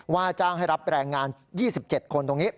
ว่าจ้างให้รับแรงงาน๒๗คนตรงนี้